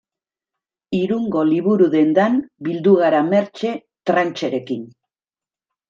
Irungo liburu-dendan bildu gara Mertxe Trancherekin.